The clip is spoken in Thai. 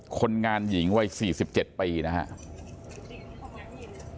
คนงานหญิงวัย๔๗ปีนะครับ